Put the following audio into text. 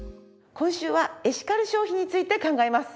今週はエシカル消費について考えます。